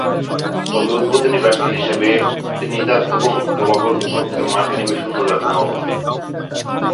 তবে, উদ্বোধনী ব্যাটসম্যান হিসেবে ত্রিনিদাদ ও টোবাগোর বিপক্ষে মাঠে নেমে শূন্য রানে আউট হন।